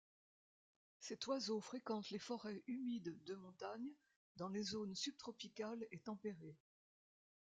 Cet oiseau fréquente les forêts humides de montagne dans les zones subtropicales et tempérées.